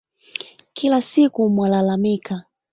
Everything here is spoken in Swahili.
Kila siku mwalalamika